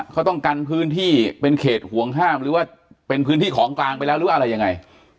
เขาต้องกันพื้นที่เป็นเขตห่วงห้ามหรือว่าเป็นพื้นที่ของกลางไปแล้วหรืออะไรยังไง